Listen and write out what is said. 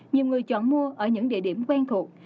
nhiều người chọn mua ở những địa điểm quen thuộc